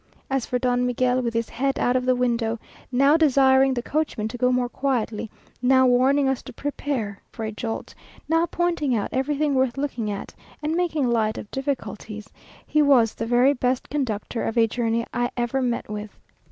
As for Don Miguel, with his head out of the window, now desiring the coachman to go more quietly, now warning us to prepare for a jolt, now pointing out everything worth looking at, and making light of difficulties, he was the very best conductor of a journey I ever met with.